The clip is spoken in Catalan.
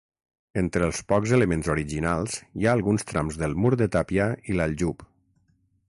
Entre els pocs elements originals hi ha alguns trams del mur de tàpia i l'aljub.